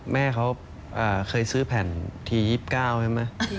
แม่เขาเคยซื้อแผ่นที๒๙ใช่ไหม